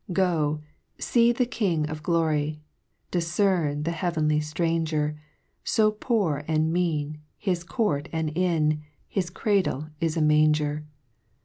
3d ( 7 ) 3 Go, fee the King of Glory, Difcern the heavenly Stranger, So poor and mean, His court an inn, His cradle is a manger.